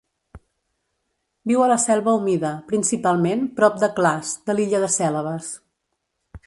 Viu a la selva humida, principalment prop de clars, de l'illa de Cèlebes.